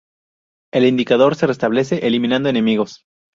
El indicador se restablece eliminando enemigos.